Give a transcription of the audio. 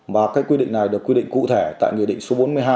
và cái quy định này được quy định cụ thể tại nghị định số bốn mươi hai